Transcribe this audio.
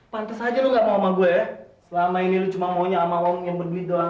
pantes aja lu gak mau sama gue ya selama ini lu cuma maunya sama wong yang berbelit doang